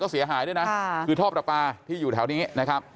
เสียหายด้วยนะคือท่อประปาที่อยู่แถวนี้นะครับ